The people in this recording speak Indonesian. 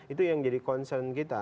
itu yang jadi concern kita